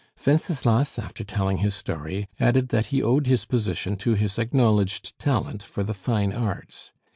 Wenceslas, after telling his story, added that he owed his position to his acknowledged talent for the fine arts.